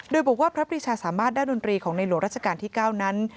โดยบอกว่าพระปริชาสามารถด้านดนตรีของในหลวงราชการที่๙นั้น